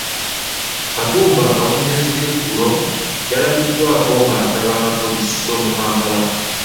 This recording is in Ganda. Katumba akawungeezi k'eggulo yalabiddwako ng'atabaala poliisi z'omu Kampala.